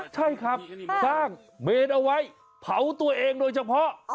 ใช่ครับสร้างเมนเอาไว้เผาตัวเองโดยเฉพาะ